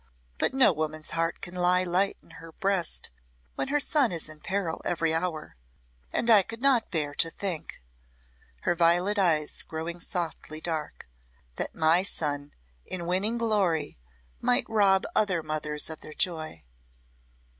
But no woman's heart can lie light in her breast when her son is in peril every hour and I could not bear to think," her violet eyes growing softly dark, "that my son in winning glory might rob other mothers of their joy."